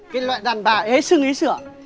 cái loại đàn bà ế xưng ý sửa